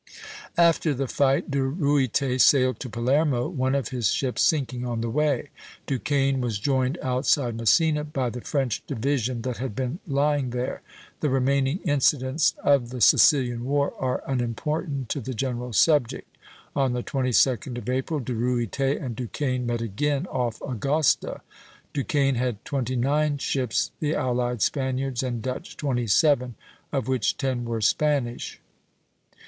After the fight De Ruyter sailed to Palermo, one of his ships sinking on the way. Duquesne was joined outside Messina by the French division that had been lying there. The remaining incidents of the Sicilian war are unimportant to the general subject. On the 22d of April, De Ruyter and Duquesne met again off Agosta. Duquesne had twenty nine ships, the allied Spaniards and Dutch twenty seven, of which ten were Spanish.